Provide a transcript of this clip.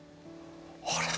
あれ？